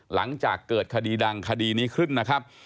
หลังจากเกิดคดีดังคดีนี้ขึ้นนะครับ